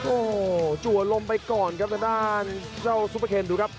โอ้โหจัวลมไปก่อนครับทางด้านเจ้าซุปเปอร์เคนดูครับ